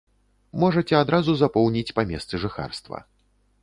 Можаце адразу запоўніць па месцы жыхарства.